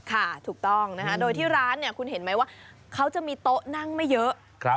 ถูกต้องนะคะโดยที่ร้านเนี่ยคุณเห็นไหมว่าเขาจะมีโต๊ะนั่งไม่เยอะ